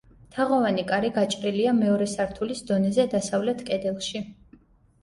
თაღოვანი კარი გაჭრილია მეორე სართულის დონეზე დასავლეთ კედელში.